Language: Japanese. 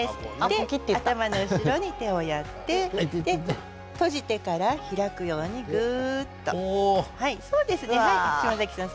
頭の後ろに手をやって閉じてから開くように、ぐーっと。